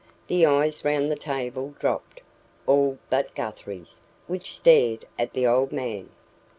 The eyes round the table dropped all but Guthrie's, which stared at the old man.